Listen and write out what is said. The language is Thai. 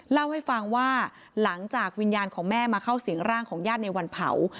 เล่าให้ฟังว่าหลังจากวิญญาณของแม่มาเข้าสิงร่างของญาติในวันเผา